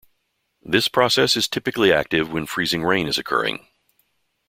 This process is typically active when freezing rain is occurring.